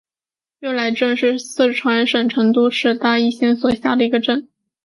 悦来镇是四川省成都市大邑县所辖的一个镇。